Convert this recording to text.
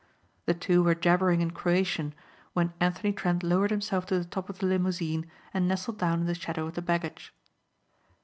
The two were jabbering in Croatian when Anthony Trent lowered himself to the top of the limousine and nestled down in the shadow of the baggage.